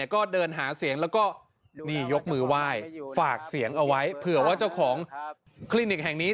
ก็เดินหาเสียงแล้วก็นี่ยกมือไหว้ฝากเสียงเอาไว้เผื่อว่าเจ้าของคลินิกแห่งนี้